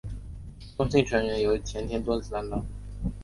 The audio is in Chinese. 中心成员由前田敦子担当。